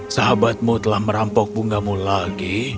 sahabatmu telah merampok bungamu lagi